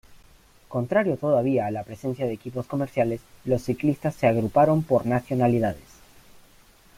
Contrario todavía a la presencia de equipos comerciales, los ciclistas se agruparon por nacionalidades.